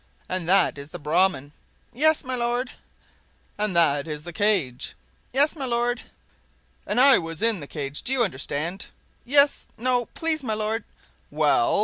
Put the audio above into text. "And that is the Brahman—" "Yes, my lord!" "And that is the cage—" "Yes, my lord!" "And I was in the cage—do you understand?" "Yes—no— Please, my lord—" "Well?"